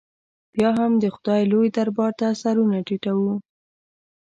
بیا هم د خدای لوی دربار ته سرونه ټیټو.